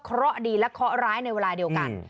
เพราะดีและเคาะร้ายในเวลาเดียวกัน